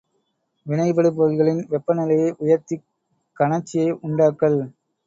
வினைபடுபொருள்களின் வெப்பநிலையை உயர்த்திக் கனற்சியை உண்டாக்கல்.